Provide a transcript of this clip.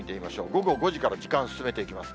午後５時から時間進めていきます。